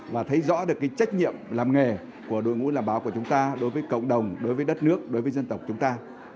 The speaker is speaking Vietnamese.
và thấy rõ được cái trách nhiệm làm nghề của đội ngũ làm báo của chúng ta đối với cộng đồng đối với đất nước đối với dân tộc chúng ta